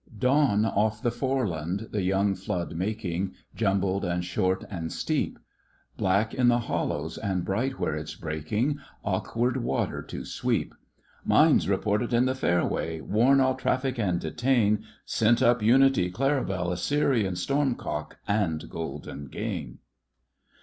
Dawn off the Foreland — the young flood making Jumbled and short and steep — Black in the hollows and bright where it's breaking — Awkward water to sweep. " Mines reported in the fairway, " Warn all traffic and detain. "Sent up Unity, Claribel, Assyrian, Storm cock, and Golden Gain."